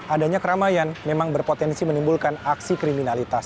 adanya keramaian memang berpotensi menimbulkan aksi kriminalitas